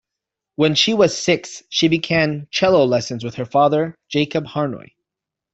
When she was six, she began cello lessons with her father, Jacob Harnoy.